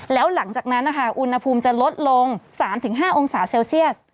แล้วหลังจากนั้นนะคะอุณหภูมิจะลดลง๓๕องศาเซลเซียส